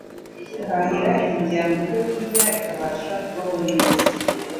guhahira imiryango ibyokurya ikabasha kubaho neza